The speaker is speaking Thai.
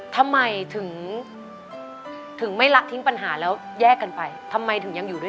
ทำไมถึงถึงไม่ละทิ้งปัญหาแล้วแยกกันไปทำไมถึงยังอยู่ด้วย